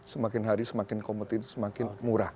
semakin hari semakin kompetitif semakin murah